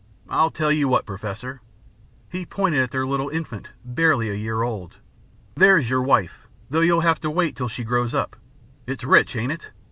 I'll tell you what, Professor.' He pointed at their little infant, barely a year old. 'There's your wife, though you'll have to wait till she grows up. It's rich, ain't it?